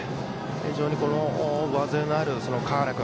非常に上背のある川原君。